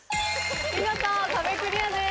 見事壁クリアです。